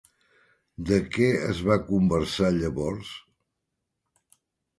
De què es va conversar llavors?